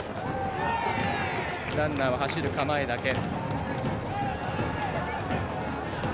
ランナーは走る構えだけ。